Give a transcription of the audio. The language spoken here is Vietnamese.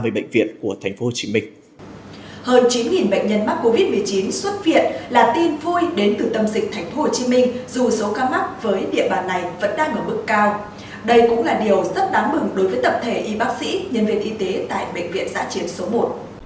đây cũng là điều rất đáng mừng đối với tập thể y bác sĩ nhân viên y tế tại bệnh viện giã chiến số một